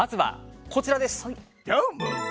どーも！